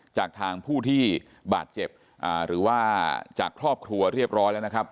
จากทางผู้ที่บาดเจ็บหรือว่าจากครอบครัวเรียบร้อยแล้วนะครับ